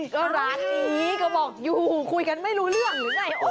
ก็ร้านนี้ก็บอกอยู่คุยกันไม่รู้เรื่องหรือไง